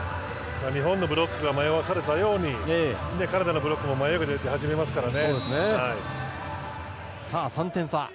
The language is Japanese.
日本のブロックが迷わされたようにカナダのブロックも迷いが出始めますから。